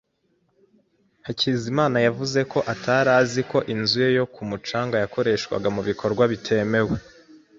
Hakizimana yavuze ko atari azi ko inzu ye yo ku mucanga yakoreshwaga mu bikorwa bitemewe.